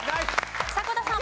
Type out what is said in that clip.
迫田さん。